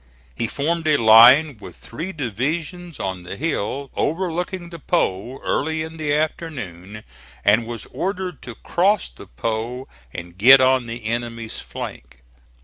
He formed a line with three divisions on the hill overlooking the Po early in the afternoon, and was ordered to cross the Po and get on the enemy's flank.